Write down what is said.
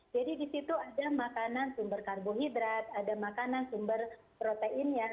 jadi di situ ada makanan sumber karbohidrat ada makanan sumber proteinnya